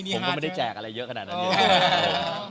ผมก็ไม่ได้แจกอะไรเยอะขนาดนี้